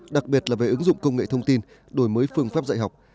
đặc biệt là về ứng dụng công nghệ thông tin đổi mới phương pháp dạy học